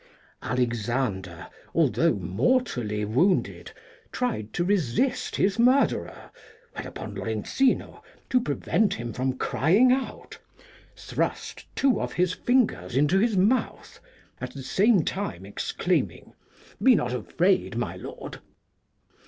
Alexander, although mortally wounded, tried to resist his murderer, whereupon Lorenzino, to prevent him frorg crying out, thrust two of his fingers into his mouth, at the same time exclaiming :' Be not afraid, my lord.'